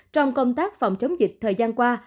trong công tác phòng chống dịch thời gian qua